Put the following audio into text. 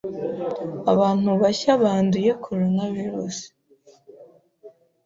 abantu bashya banduye Coronavirus